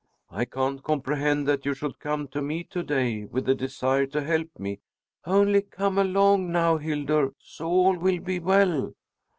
"I can't comprehend that you should come to me to day with the desire to help me." "Only come along now, Hildur, so all will be well!"